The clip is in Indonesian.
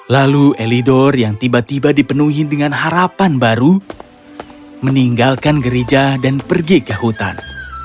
lalu elidor yang tiba tiba dipenuhi dengan harapan baru meninggalkan gereja dan pergi ke hutan